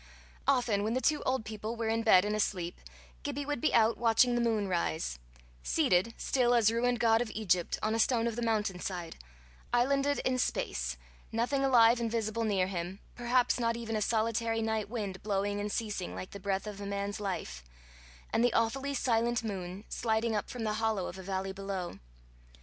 Often, when the two old people were in bed and asleep, Gibbie would be out watching the moon rise seated, still as ruined god of Egypt, on a stone of the mountain side, islanded in space, nothing alive and visible near him, perhaps not even a solitary night wind blowing and ceasing like the breath of a man's life, and the awfully silent moon sliding up from the hollow of a valley below.